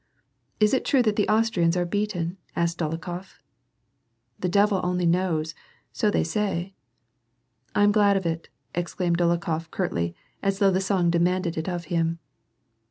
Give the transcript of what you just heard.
"Is it true that the Austrians are beaten?" asked Dolok hof. "The devil only knows ; so they sav." " I am glad of it," exclaimed Dolokhof, curtly, as though the song demanded it of him.